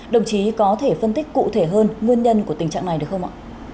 đồng chí có thể phân tích cụ thể hơn nguyên nhân của tình trạng này được không ạ